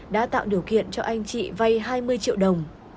đã tạo điều kiện cho anh chị vay hai mươi triệu đồng